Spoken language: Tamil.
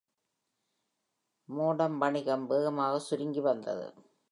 மோடம் வணிகம் வேகமாக சுருங்கி வந்தது.